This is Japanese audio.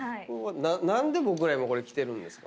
何で僕らこれ着てるんですか？